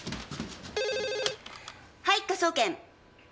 はい科捜研。